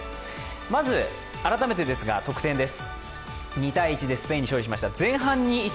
まず改めてですが得点です。